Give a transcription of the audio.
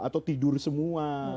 atau tidur semua